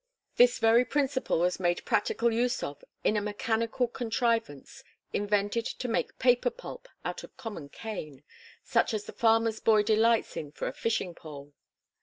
This very principle was made practical use of in a mechanical contrivance invented to make paper pulp out of common cane, such as the farmer's boy delights in for a fishing pole.